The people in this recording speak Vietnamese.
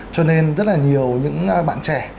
cho nên rất là nhiều những bạn trẻ